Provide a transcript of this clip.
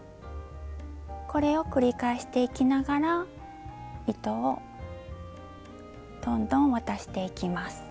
これを繰り返していきながら糸をどんどん渡していきます。